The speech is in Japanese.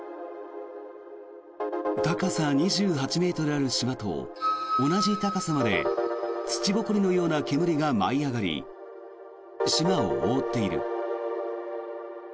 高さ２８ｍある島と同じ高さまで土ぼこりのような煙が舞い上がり島を覆っている。